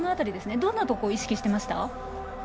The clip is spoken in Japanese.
どんなところを意識していましたか。